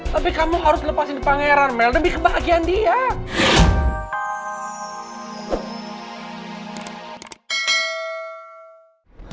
tapi kamu harus lepasin pangeran mel lebih kebahagiaan dia